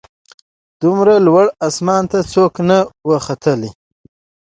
دومره لوړ اسمان ته څوک نه وه ختلي